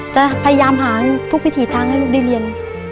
จะพยายามหาทุกวิถีทางให้ลูกได้เรียน